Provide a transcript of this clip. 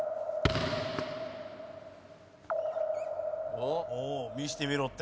山崎：見せてみろって？